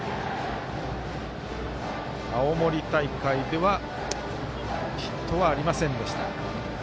青森大会ではヒットはありませんでした。